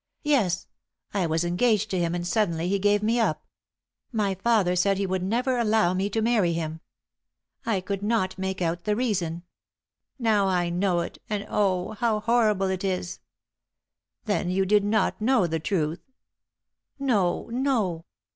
"Yes, I was engaged to him and suddenly he gave me up. My father said he would never allow me to marry him. I could not make out the reason. Now I know it, and, oh, how horrible it is!" "Then you did not know the truth?" "No, no.